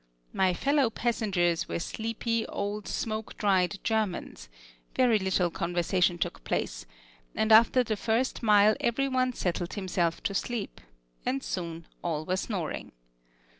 My fellow passengers were sleepy old smoke dried Germans: very little conversation took place, and after the first mile every one settled himself to sleep, and soon all were snoring.